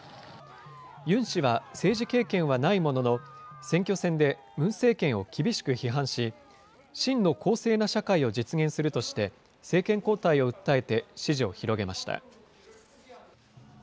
ユン氏は政治経験はないものの、選挙戦でムン政権を厳しく批判し、真の公正な社会を実現するとして、政権交代を訴えて支持を広げました。